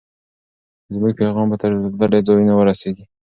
زموږ پیغام به تر لرې ځایونو ورسېږي.